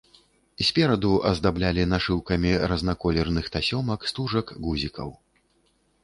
Спераду аздаблялі нашыўкамі разнаколерных тасёмак, стужак, гузікаў.